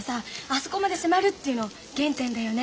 そこまで迫るっていうの原点だよね